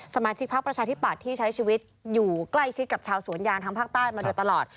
สมาชิกพักประชาธิปัตย์ที่ใช้ชีวิตอยู่ใกล้ชิดกับชาวสวนยางทางภาคใต้มาโดยตลอด